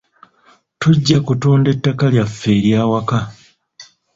Tujja kutunda ettaka lyaffe ery'awaka.